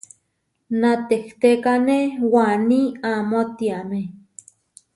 Natehtékane waní amó tiamé.